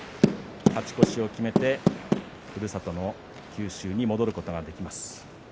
勝ち越しを決めてふるさとの九州に戻ることができます。